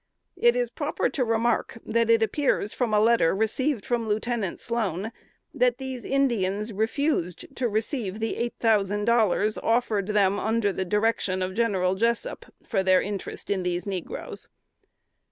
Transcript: It is proper to remark, that it appears from a letter received from Lieutenant Sloan, that these Indians refused to receive the $8,000, offered them under the direction of General Jessup, for their interest in these negroes.